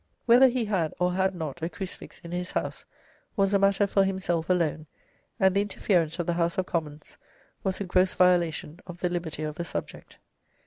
Whether he had or had not a crucifix in his house was a matter for himself alone, and the interference of the House of Commons was a gross violation of the liberty of the subject.